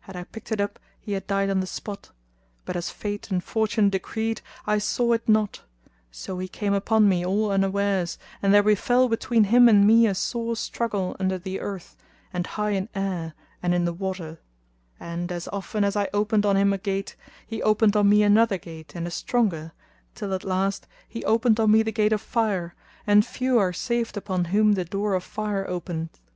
Had I picked it up he had died on the spot, but as Fate and Fortune decreed, I saw it not; so he came upon me all unawares and there befel between him and me a sore struggle under the earth and high in air and in the water; and, as often as I opened on him a gate,[FN#252] he opened on me another gate and a stronger, till at last he opened on me the gate of fire, and few are saved upon whom the door of fire openeth.